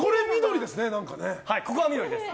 ここは緑です。